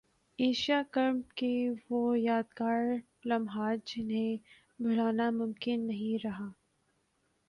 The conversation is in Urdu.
ایشیا کپ کے وہ یادگار لمحات جنہیں بھلانا ممکن نہیں رہا